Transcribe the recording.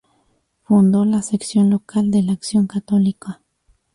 Fundó la sección local de la Acción Católica.